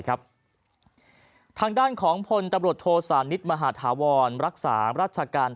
ทางด้านของพลตำรวจโทสานิทมหาธาวรรักษารัชการ